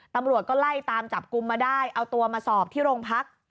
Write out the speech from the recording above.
ตำรวจก็ไล่ตามจับกลุ่มมาได้เอาตัวมาสอบที่โรงพัก